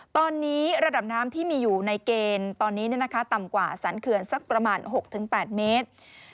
ตอนนี้ระดับน้ำที่มีอยู่ในเกณฑ์ตอนนี้ต่ำกว่าสรรเขื่อนสักประมาณ๖๘เมตร